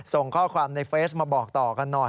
ส่งข้อความในเฟซมาบอกต่อกันหน่อย